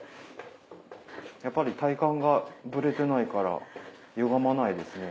やっぱり体幹がブレてないからゆがまないですね。